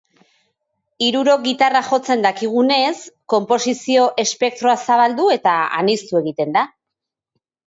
Hirurok gitarra jotzen dakigunez, konposizio espektroa zabaldu eta aniztu egiten da.